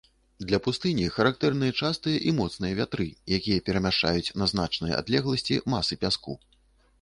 Для пустыні характэрныя частыя і моцныя вятры, якія перамяшчаюць на значныя адлегласці масы пяску.